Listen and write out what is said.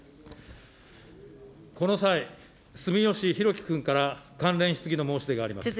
この際、住吉寛紀君から関連質疑の申し出があります。